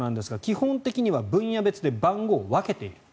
基本的には分野別で番号を分けている。